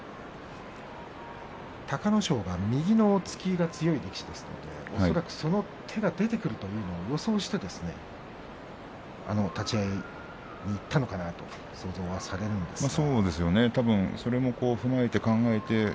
隆の勝が右の突きが強い力士ですので恐らくその手が出てくるというのを予想をして立ち合いにいったのかなと想像されるんですが。